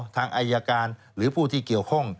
ทางอายการหรือผู้ที่เกี่ยวข้อง